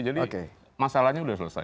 jadi masalahnya sudah selesai